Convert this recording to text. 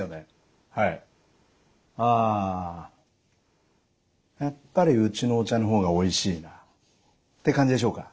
「あやっぱりうちのお茶の方がおいしいな」って感じでしょうか？